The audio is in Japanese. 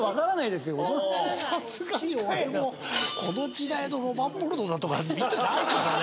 さすがに俺もこの時代のロマンポルノなんて見てないからね。